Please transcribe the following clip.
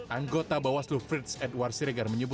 anggota bawaslu frits edward siregar menyebut